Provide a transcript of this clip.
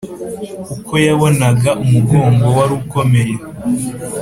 uko yabonaga umugongo warukomeye,